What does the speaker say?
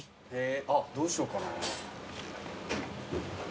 どうしようかな。